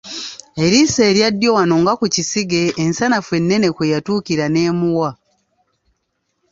Eriiso erya ddyo wano nga ku kisige ensanafu ennene kwe yatuukira n’emuwa.